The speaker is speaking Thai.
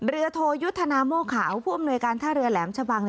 โทยุทธนาโม่ขาวผู้อำนวยการท่าเรือแหลมชะบัง